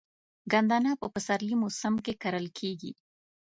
ګندنه په پسرلي موسم کې کرل کیږي.